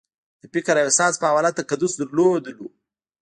د فکر او احساس په حواله تقدس لرلو